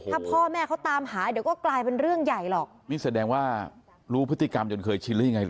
ถ้าพ่อแม่เขาตามหาเดี๋ยวก็กลายเป็นเรื่องใหญ่หรอกนี่แสดงว่ารู้พฤติกรรมจนเคยชินหรือยังไง